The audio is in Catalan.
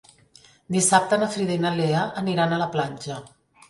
Dissabte na Frida i na Lea aniran a la platja.